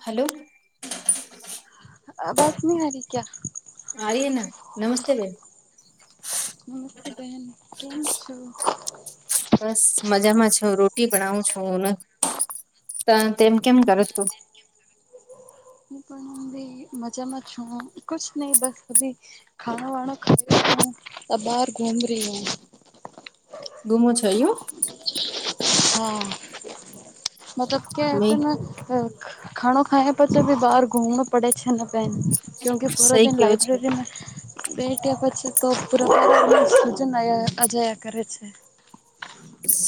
Hello બસની હરી ક્યા આઈના નમસ્તે બેન. નમસ્તે બેહેન કેમ છો? બસ મજામાં છુ રોટી બણાવું છું ને ત તેમ કેમ કરો છો? હું પણ ભી મજામાં છું કુછ નહી બસ અભી ખાણો વાણો ખાઈ બહાર ઘુમ રહી. ઘુમો છો યુ હા મતલબ મે કેને અ ખાણો ખાયા પર ત ભી બહાર ઘુમણો પડે અચ્છા ના પેન ક્યુક કે પૂરા સહી દીન કેવો છે લાઈબ્રેરીમાં બેેટ્યા પછી તો પૂરાજ અજયા કરે છે.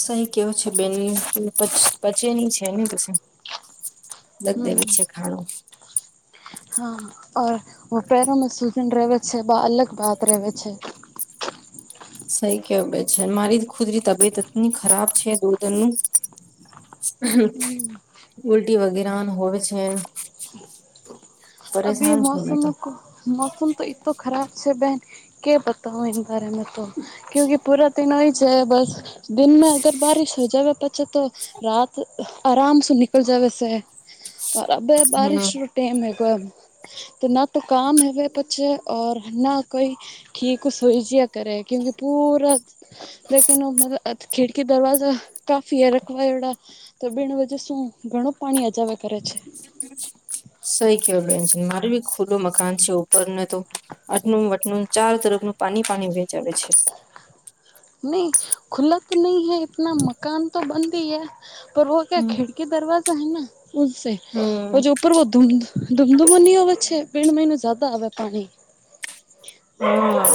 સહી કેવો છે બેન પ પચેની છે ને પછી લગ દેવે હમ છે ખાણું હા પેરોમાં સૂજન રહેવે છે બ અલગ બાત રહેવે છે. સહી કેવા છે મારી ખુદરી તબિયત એટની ખરાબ છે ગોધનનું હમ ઉલટી વગેરા હોવે છે. અભી પરેશાન છું મે મોસમ તો મોસમ તો એતો ખરાબ છે બહેન કે બતાવું એ બાર મે તો. ક્યો કે પુરા તે નય છે બસ દિન મે અગર બારિશ હો જવે પછે તો રાત આરામ સે નિકલ જવે સે. અબ હમ બારિશ ટાઈમ હ ગ [unintelligible] તો ના, તો કામ હવે પછી ઓર ના કોઈ. ઠીક, સ હોઈ જ કરે, ક્યુંકે પૂરા. લેકિન વો મેરા ખિડકી દરવાજા કાફી એ રખવેડા. તો બીણ વજેસુ શું ઘણું પાણી અજાવે કરે છે. સહી કેવાય બેન, મારું બી ખુલ્લું મકાન છે, ઉપરને તો. આટનું વટનું ચાર તરફનું પાણી પાણી વેચાવે છે. નહી ખુલા તો નહી હૈ, એતના મકાન તો બંધ હૈ. પર વો ક્યા હમ ખિડકી દરવાજા હૈ, સે હમ જો [inaudible] ઉપવ ધૂમ ધૂમધૂમો નહી હોવે છે વીણ મહિનું જદા આવે પાણી. [inaudible] હા,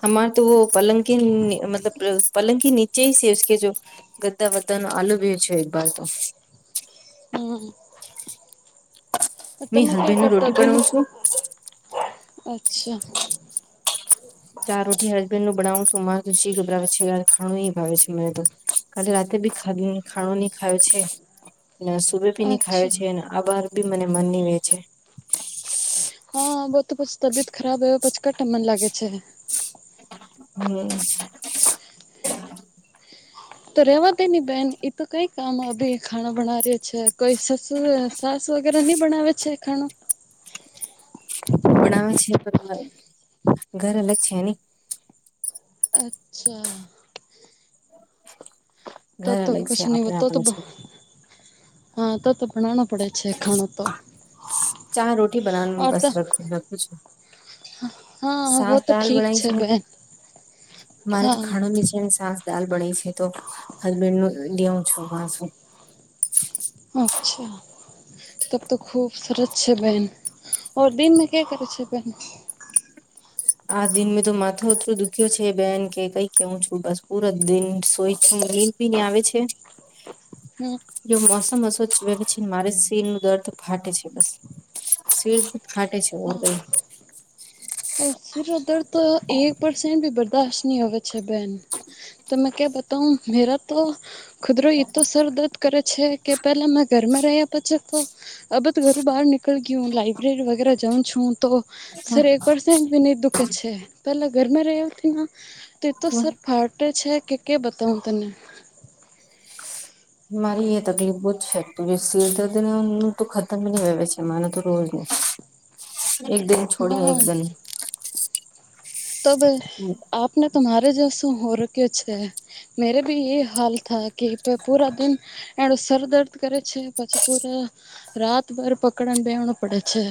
તમાર તો પલંગ કીન મતલબ પલંગ કી ની [unintelligible] ચ સસ કે જો ગદ્દા વદદા નો આલો વિયો છે એક વાર તો. [inaudible] હમ્મ. મેં તમે ક્યા હસબેન્ડ ન કરતા રોટી બિન બનાવું છું અચ્છા. [unintelligible] ચાર રોટી હસબન્ડનું બનાવું છું, મારે તો જી ગબરાવે છે, યાર. ખાણું નઈ ભાવે છે, મને તો કાલી રાતે બી ખાણ ખાણું નહી ખાયો છે, ને આજ સુબ સુુબે બી ની ખાયો અચ્છા છે ને, આ અબાર બી મને મન ની વે છે. હા, વાહ તો પછી તબિયત ખરાબ હ પ, છી કાંથી મન લાગે છે. હમ્મ. તો રેવા દે ની બેન, એતો કઈ કામ અભી ખાણા ભના રિયા છે. કોઈ સાસુ-સાસ વગેરે નહી બનાવે છે ખાણું. બનાવે છે, પણ ઘર નથી ની. અચ્છા. ઘર તતો અલગ કછ છે ન આપણે ત આપણે તો. [inaudible] છે હા, તો તો બનાવનો. ચાર રોટી બનાવવાનું ઓર તો બસું છે. હા વો સાસ તો દાળ ઠીક બણાય છે, તો બહેન મારે તો હા ખાણની છે સાસ. દાલ બણઇસે તો હસબેન્ડ નું લિઉં વાસું. અચ્છા, તબ તો ખૂબ સરસ છે બેહેન. ઓર દિનને કે કરે છે, બેન. [unintelligible] આ દિન મે તો માથો એટલો દુખ્યો છે બેન, કે કઈ કેવું છું, બસ પૂરા દિન સોય છું. ઊંઘ બી ની આવે છે. [unintelligible] જો મોસમ અસો પછીને, મારે શિર નું દર્દ તો ફાટે છે પસે. શિર ફાટે છે. હા ઓર સર મેં દર્દ તો એક પરસન્ટ બી બર્દાશત નહી હોવે. અચ્છા, બેન તો મે ક્યા બતાઉ મેરા તો. ખુદરો એતો સર દર્દ કરે છે કે, પેલામાં ઘરમાં રહ્યા પછ તો અબ તો ઘરૂ બહાર નીકળ ગઈ, હું લાાઈબ્રેરી વગેરે જાઉં છું, તો સર એક પરસેન્ટ બી ની દુખે છે, પેલા ઘર મેં રેયો તો સર ફા દુખે છે કે, કે બતાવ તને. મારી એ તકલીફ બહુ જ છે, સિરદર્દ તો ખતમ નહી વેવે છે, માને તો રોજ. એક દિન છોડી ને, એક હા દિન. તો બોલ. હમ્મ. આપને તો મારે જેશું હો રક્યું છે. મેરે ભી એ હાલ થા કે, પૂરા દિન. એડો સર દર્દ કરે છે, પછી પૂરા રાતભર પકડને બેવણો પડે છે.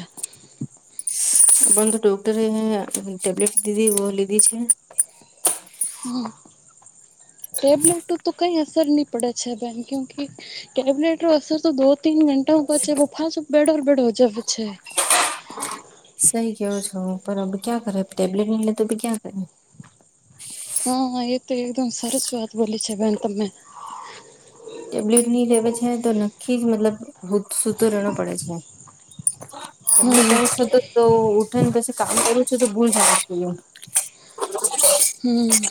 પણ તો ડોક્ટરે ટેબ્લેટ દીધી વો લીધી છે. હમ ટેબ્લેટ તો કઈ અસર નહી પડે છે બેન કયુંકી. ટેબ્લેટ રો તો અસર તો દો તીન ઘંટાઓ પાછે વો ફાસો બેડો ઉ બેડો હો જાવે છે. સઈ કેવો છો, પણ ક્યાં કરે ટેબલેટ ઈ લેતો ક્યાં કરે હા, એ તો એકદમ સરસ વાત બોલી છે, બેન તમે. ટેબ્લેટ ની લેવે છે, તો નક્કી જ મતલબ સૂતો રહેણો પડે છે. પંદર હમ દિવસ તો ઉઠીને પછી કામ કરું છું તો ભૂલ જાવ છે, એમ હમ્મ.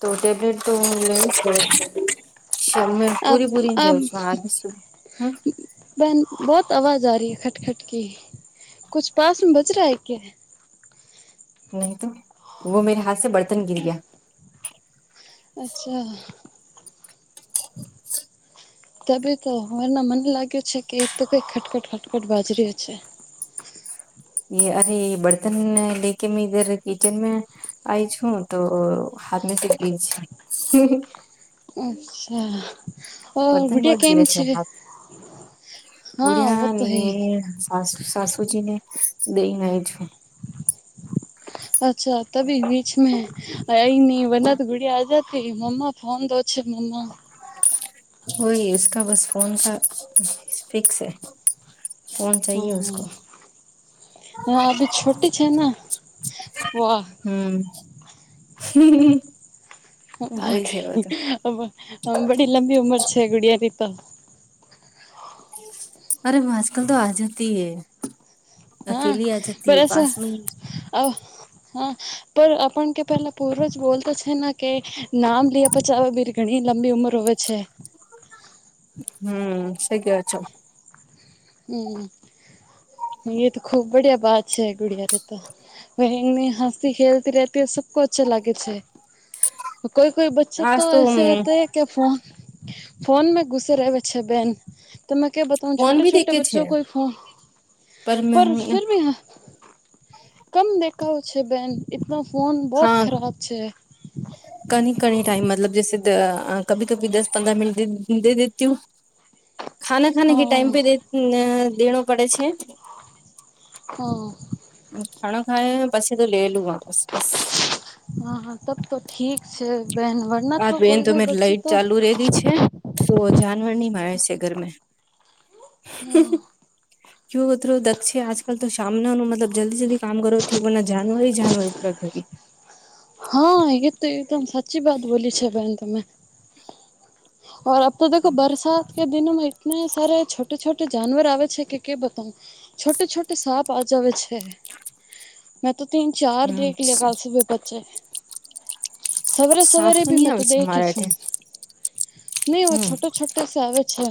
તો ટેબલેટ તો લે અબ પૂરે-પૂરી અબ લઉં છું આજ શું, હમ્મ. બહેન, બહુત આવાજ આ રહી હૈ ખટખટ કુછ પાસમાં બચ રહા હૈ ક્યા? નહી, તો વો મેરે હાથ સે બર્તન ગિર ગયા. અચ્છા. તબ તો અરના મને લાગ્યું છે કે એ તો કઈ ખટખટ ખટકટ બાજરી છે. અરે બર્તન લે કે મે ધર કીચન મે આઈ છું, તો હાથમાં ગઈ છે. અચ્છા. ઓર બર્તન બો ગુડિયા કેમ ગીરે છે, હા હા ગુડિયા વો તો અને હૈ. શસુજીને દઈ લય છું. અચ્છા, તભી વી [unintelligible] હા, ઇસકા બસ ફોન કા ફિક્સ હા, અભી છોટી છે ને હમ્મ. હમ્મ, આ ગઈ લંબી ઉમર છે ગુડિયાની તો. અરે હા, આજ કલ તો આ જતી હે. હા, અકેલી આ જતી હે પેલું છે પાસ મે અ હા, પણ આપણ કે પેલા પૂર્વજ બોલતા છે ને કે નામ લેય પછી બી ઘણી લંબી ઉંમર હોય છે. હમ્મ, સહી કહો છો. હમ્મ, એ તો ખુબ બડિયા બાત છે ગુડયા તો. એની હસતી ખેલતી રેતી સબકો અચ્છા લાગે છે. કોઈ-કોઈ બચ્ચે તો એસે હોતે હે કી ફોન મે ઘુસે રહતે હૈ બેન તો મેં કેમ બધાને ફોન ભી છૂટે-છૂટ દેખે છે બચ્ચો કો, પર ફિરભી કમ દેખાવ છો બેન. એકતો ફોન બહુત ખરાબ છે. કભી-કભી ટાઈમ મતલબ જ કભી કભી દસ પંદર દીન દે દેતી હું. ખાના ખાને કે હા ટાઈમ પે દેને પડે છે. હા. ખાણા ખાય પછી તો લેલું વાપસ બસ. હા, હા તબ તો ઠીક છે બેન. વરના હા, તો બેન કોઈ તો કોઈ મેં બચ્ચે લાઈટ તો ચાલુ રહી છે તો જાનવર નહી મારે છે ઘરમે. હમ્મ. કેવું દક્ષિણ છે આજ કલ તો સામનું મતલબ જલ્દી-જલ્દી કામ કરો. જાનવરી-જાનવર ઉપર ઘર હા, એ તો એકદમ સાચી વાત બોલી છે, બેન તમે. અબ તો દેખો બારસાદ કે દિનોમેં ઇતને સાર છોટ-છોટે જાનવર આવે છે, કે બતાવું. છોટે છોટે સાપ આ જાવે છે. મેં તો તીન-ચાર હમ દેખ લિયે સાપકે બચે. સાપ સવરે-સવરે તો બી નહી આવે મેતો છે દેખી મારા અઠે છુ. નહી, હવે હમ છોટા-છટા આવે છે.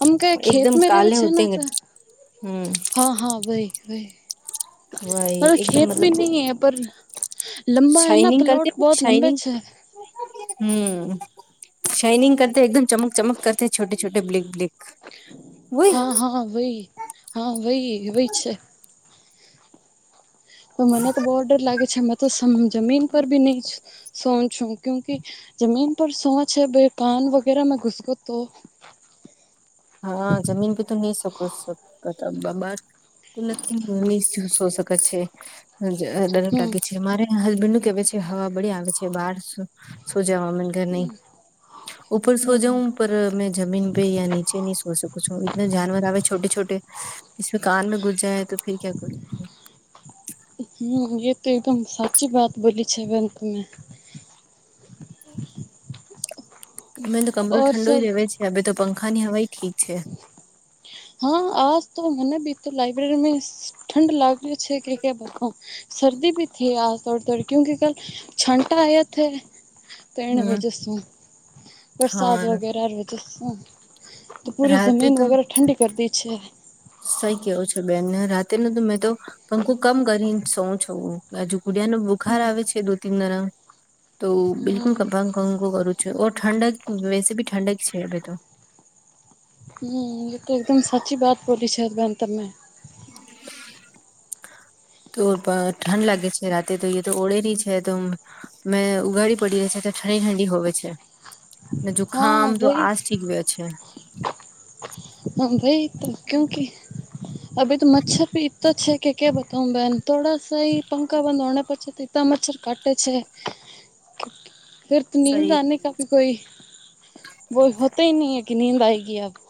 આમ ક એકદમ ખેતમાં રે કાલે છે હોતે ને તો હમ હા હા ભઈ ભઈ વાહી એકદમ મતલબ હે પર લંબા હે ના શાઇનિંગ પ્લોટ કરતીને બહુત લંબે શાઇનિગ છે હમ શાઇનિંગ કરતા એકદમ [inaudible] [inaudible] [inaudible] [inaudible] [inaudible] [unintelligible] હમ [unintelligible] [inaudible] હમ [inaudible] [inaudible] હમ્મ એ તો એકદમ સાચી વાત બોલી છે બેન તમે મેં તો કમરો ઓર ઠંડો સબ દેવે છે તો પંખા ની હવાઈ ઠીક છે. હા આજ તો મને બી તો લાઈબ્રેરીમાં ઠંડ લાગ્યું છે કે કે બધ હમ હા [inaudible] [inaudible] રાતે તો [inaudible] [inaudible] હમ [inaudible] હમ [inaudible] [inaudible] [inaudible] તો ઠંડ લાગે છે [unintelligible] [inaudible] હા વહી [inaudible] [unintelligible] [inaudible] સહી [inaudible] [inaudible]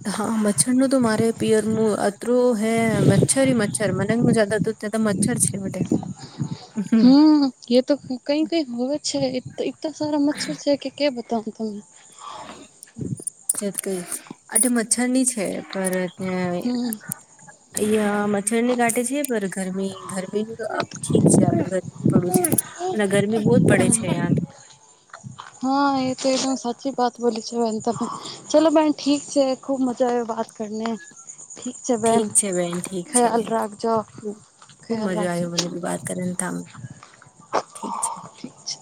[inaudible] [inaudible] હમ [inaudible] [unintelligible] [unintelligible] મચ્છર ની છે. [unintelligible] [unintelligible] હમ પડું છે અને ગરમી બહુ જ પડે છે અહીયા તો- - હા એ તો એકદમ સાચી વાત બોલી છે બેન તમે ચલો બેન ઠીક છે. ખૂબ મજા [inaudible] ઠીક છે. બેન ઠીક છે બેન ઠીક છે ખ્યાલ રાખજો ખુબ ખ્યાલ મજા રાખજો આવ્યો [inaudible] [unintelligible] ઠીક છે. ઠીક છે